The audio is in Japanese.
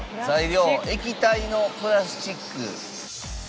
材料液体のプラスチック。